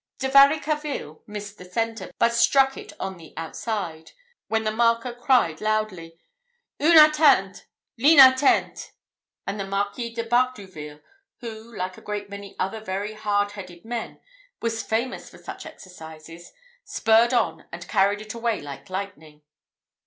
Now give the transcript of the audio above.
De Varicarville missed the centre, but struck it on the outside, when the marker cried loudly, "Une atteinte! line atteinte!" and the Marquis de Bardouville, who, like a great many other very hard headed men, was famous for such exercises, spurred on and carried it away like lightning.